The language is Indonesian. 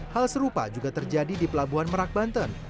hal serupa juga terjadi di pelabuhan merak banten